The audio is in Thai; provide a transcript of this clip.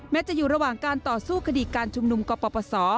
จะอยู่ระหว่างการต่อสู้คดีการชุมนุมกปศ